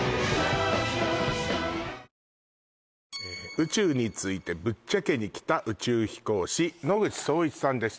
宇宙についてぶっちゃけにきた宇宙飛行士野口聡一さんです